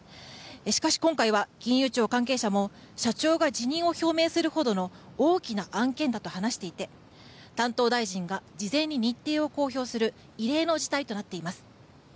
しかし今回は金融庁関係者も社長が辞任を表明するほどの大きな案件だと話していて担当大臣が事前に日程を公表する異例の事態となっています。